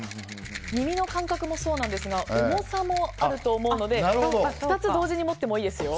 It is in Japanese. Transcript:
耳の感覚もそうなんですが重さもあると思うので２つ同時に持ってもいいですよ。